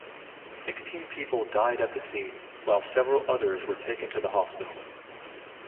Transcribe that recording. Sixteen people died at the scene while several others were taken to hospital.